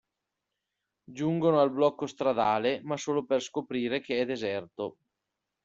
Giungono al blocco stradale, ma solo per scoprire che è deserto.